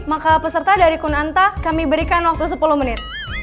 maka peserta dari kunanta kami berikan waktu sepuluh menit